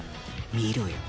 見ろよ。